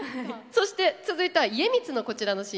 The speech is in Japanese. そして続いては家光のこちらのシーンです。